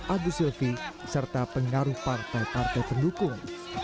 agus silvi serta pengaruh partai partai pendukung